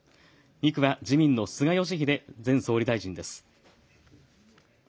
２区は自民の菅義偉前総理大臣です。